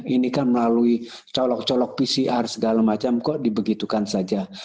ini kan melalui colok colok pcr segala macam kok dibegitukan saja